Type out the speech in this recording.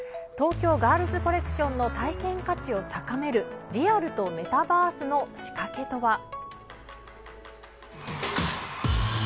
東京ガールズコレクションの体験価値を高めるリアルとメタバースの仕掛けとは。